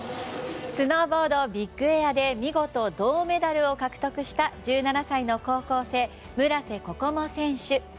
スノーボードビッグエアで見事、銅メダルを獲得した１７歳の高校生村瀬心椛選手。